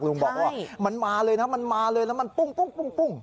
บอกว่ามันมาเลยนะมันมาเลยแล้วมันปุ้ง